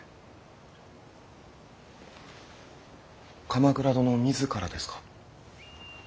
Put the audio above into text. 鎌倉殿自らですか。